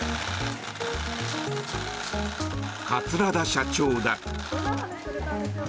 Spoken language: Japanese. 桂田社長だ。